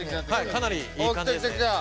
かなりいい感じですね。